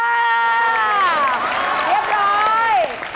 เรียบร้อย